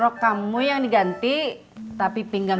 kamu udah sarapan belum